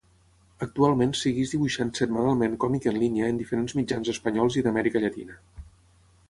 Actualment segueix dibuixant setmanalment còmic en línia en diferents mitjans espanyols i d'Amèrica Llatina.